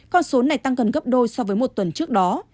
con số này tăng gần gấp đôi so với một tuần trước đó